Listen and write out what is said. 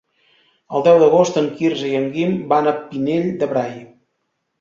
El deu d'agost en Quirze i en Guim van al Pinell de Brai.